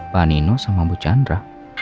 pak nino sama bu chandra